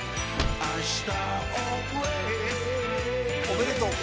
おめでとう。